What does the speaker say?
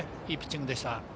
いいピッチングでした。